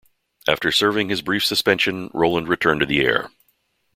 After serving his brief suspension, Roland returned to the air.